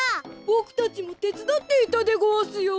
ボクたちもてつだっていたでごわすよ。